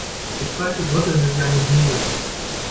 Verzweifelt rüttelte sie an dem Hebel.